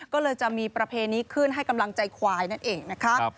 ก็เลยจะมีประเพณีขึ้นให้กำลังใจควายนั่นเองนะคะ